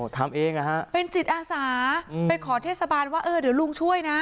ทำเองนะฮะเป็นจิตอาสาไปขอเทศบาลว่าเออเดี๋ยวลุงช่วยนะ